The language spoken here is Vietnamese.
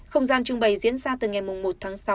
không gian trưng bày diễn ra từ ngày một tháng sáu